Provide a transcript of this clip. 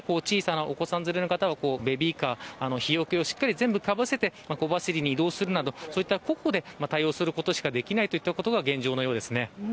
なお子さん連れの方はベビーカーの日除けをしっかりかぶせて小走りに移動するなど個々で対応することしかできないといったことが現状のようです。